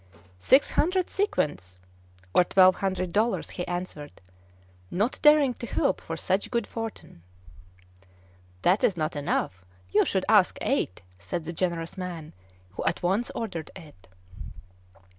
"Six hundred sequins" (over twelve hundred dollars), he answered, not daring to hope for such good fortune. "That is not enough; you should ask eight," said the generous man, who at once ordered it.